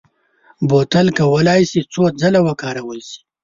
بوتل کولای شي څو ځله وکارول شي.